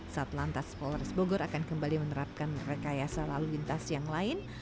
satlantas polres bogor akan kembali menerapkan rekayasa lalu lintas yang lain